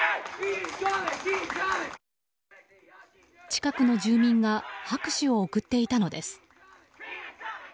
近くの住民が拍手を送っていたのです。